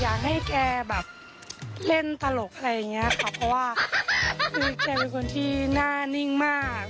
อยากให้แกแบบเล่นตลกอะไรอย่างนี้ค่ะเพราะว่าคือแกเป็นคนที่หน้านิ่งมาก